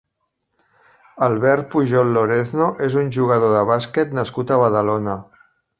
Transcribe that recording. Albert Pujol Lorenzo és un jugador de bàsquet nascut a Badalona.